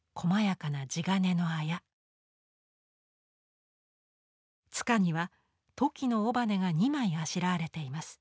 柄にはトキの尾羽が２枚あしらわれています。